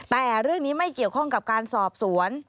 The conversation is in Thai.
แต่เรื่องนี้ไม่เกี่ยวข้องกับการสอบสวน